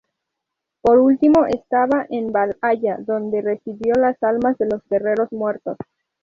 Por último estaba el Valhalla, donde recibía las almas de los guerreros muertos.